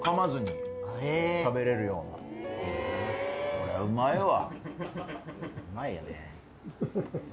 これはうまいわ。